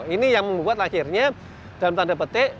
ini yang membuat akhirnya dalam tanda petik